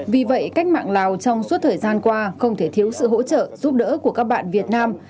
vì vậy cách mạng lào trong suốt thời gian qua không thể thiếu sự hỗ trợ giúp đỡ của các bạn việt nam